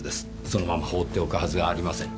そのまま放っておくはずがありません。